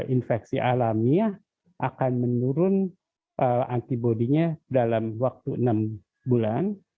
infeksi alamnya akan menurun antibodinya dalam waktu enam bulan